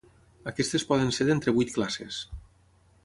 Aquestes poden ser d'entre vuit classes.